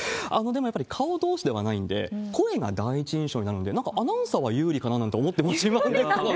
でも、やっぱり顔どうしではないんで、声が第一印象になるので、なんかアナウンサーは有利かなと思ったり。